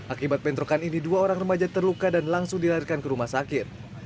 akibat bentrokan ini dua orang remaja terluka dan langsung dilarikan ke rumah sakit